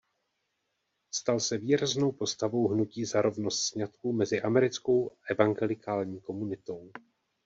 Stal se výraznou postavou hnutí za rovnost sňatků mezi americkou evangelikální komunitou.